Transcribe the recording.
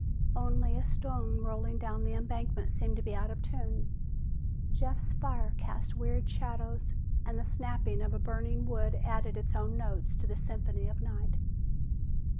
Only a stone rolling down the embankment seemed to be out of tune. Jeff's fire cast weird shadows, and the snapping of the burning wood added its own notes to the symphony of night.